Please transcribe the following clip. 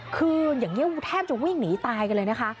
คืออย่างนี้แทบจะวิ่งหนีตายกันเลยนะคะ